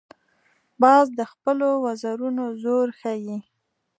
باز د خپلو وزرونو زور ښيي